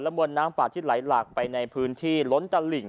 มวลน้ำป่าที่ไหลหลากไปในพื้นที่ล้นตะหลิ่ง